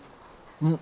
うん。